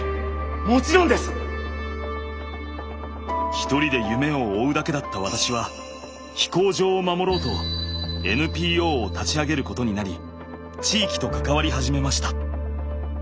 一人で夢を追うだけだった私は飛行場を守ろうとＮＰＯを立ち上げることになり地域と関わり始めました。